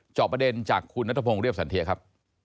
จอบประเด็นจากคุณนัทพงศ์เรียบสันเทียครับ